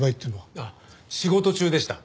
あっ仕事中でした。